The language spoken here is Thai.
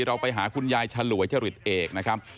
เราไปหาคุณยายฉลวยจริตเอกนะครับ